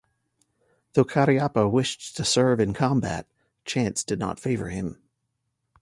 Though Cariappa wished to serve in combat, chance did not favour him.